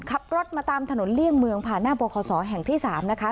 ขับรถมาตามถนนเลี่ยงเมืองผ่านหน้าบคศแห่งที่๓นะคะ